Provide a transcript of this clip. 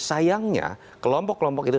sayangnya kelompok kelompok itu